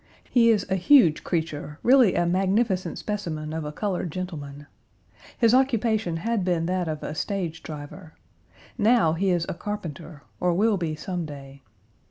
He is a huge creature, really a magnificent specimen of a colored gentleman. His occupation had been that of a stage driver. Now, he is a carpenter, or will be some day.